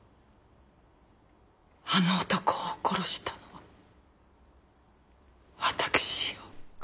あの男を殺したのはわたくしよ。